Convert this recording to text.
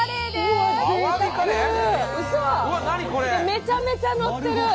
めちゃめちゃのってる！